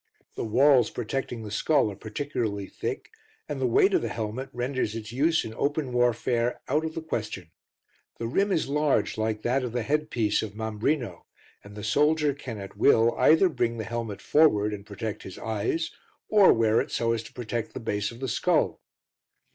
The walls protecting the skull are particularly thick, and the weight of the helmet renders its use in open warfare out of the question. The rim is large, like that of the headpiece of Mambrino, and the soldier can at will either bring the helmet forward and protect his eyes or wear it so as to protect the base of the skull